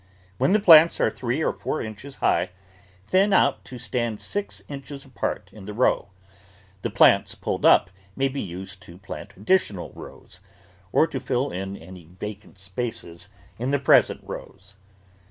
When the plants are three or four inches high, thin out to stand six inches apart in the row. The plants pulled up may be used to plant addi tional rows or to fill in any vacant places in the present rows.